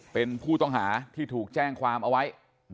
เป็นผู้ต้องหาที่ถูกแจ้งความเอาไว้